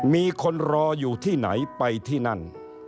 มีคนรออยู่ที่ไหนไปที่นั่น